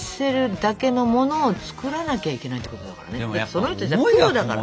その人たちプロだから。